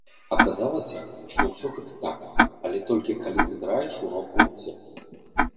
Аказалася, што ўсё гэта так, але толькі калі ты граеш у рок-гурце.